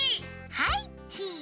はいチーズ！